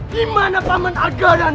di mana paman agar danah